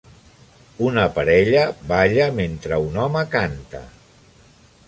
Una parella balla mentre un home canta